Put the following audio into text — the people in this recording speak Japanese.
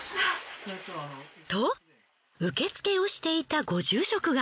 と受付をしていたご住職が。